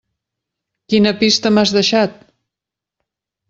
Quina pista m'has deixat?